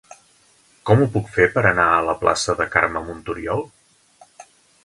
Com ho puc fer per anar a la plaça de Carme Montoriol?